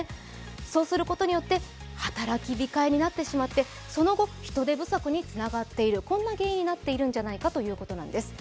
そうすることによって、働き控えになってしまって、その後、人手不足につながっているこんな原因になっているんじゃないかということです。